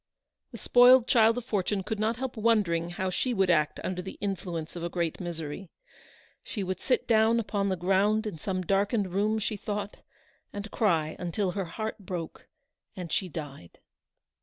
The spoiled child of fortune could not help wondering how she would act under the influence of a great misery. She would sit down upon the ground in some darkened room, she thought, and cry until her heart broke and she died.